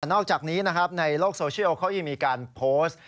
นอกจากนี้นะครับในโลกโซเชียลเขายังมีการโพสต์